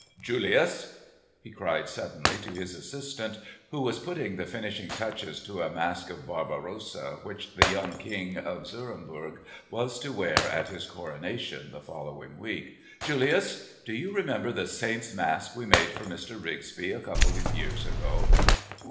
"Julius!" he cried suddenly to his assistant, who was putting the finishing touches to a mask of Barbarossa which the young king of Zürremburg was to wear at his coronation the following week. "Julius! Do you remember the saint's mask we made for Mr. Ripsby, a couple of years ago?"